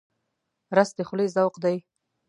رس د خولې ذوق دی